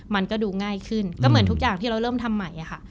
มันก็ดูง่ายขึ้นก็เหมือนทุกอย่างที่เราเริ่มทำใหม่ค่ะ